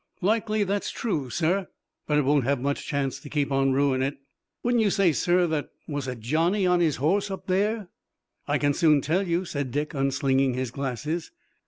"Likely that's true, sir, but it won't have much chance to keep on ruinin' it. Wouldn't you say, sir, that was a Johnny on his horse up there?" "I can soon tell you," said Dick, unslinging his glasses.